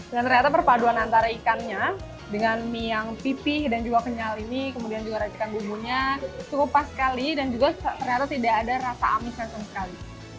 dan ternyata perpaduan antara ikannya dengan mie yang pipih dan juga kenyal ini kemudian juga racikan bumbunya cukup pas sekali dan juga ternyata tidak ada rasa amisnya sekali